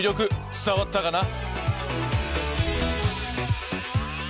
伝わったかな？